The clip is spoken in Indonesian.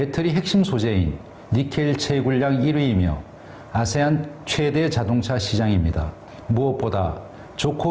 terima kasih